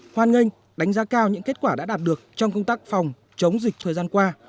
hoan nghênh đánh giá cao những kết quả đã đạt được trong công tác phòng chống dịch thời gian qua